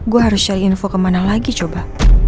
gue harus cari info kemana lagi coba